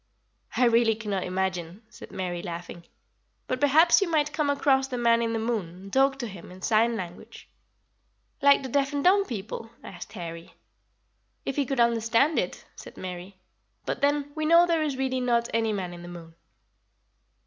"I really cannot imagine," said Mary, laughing; "but perhaps you might come across the Man in the Moon and talk to him in sign language." "Like the deaf and dumb people?" asked Harry. "If he could understand it," said Mary; "but then, we know there is really not any Man in the Moon."